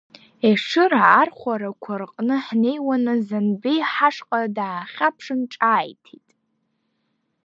Ешыра архәарақәа рҟны ҳнеиуаны Занбеи ҳашҟа даахьаԥшын ҿааиҭит…